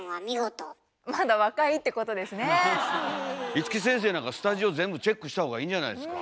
五木先生なんかスタジオ全部チェックした方がいいんじゃないですか？